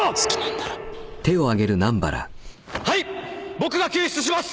僕が救出します。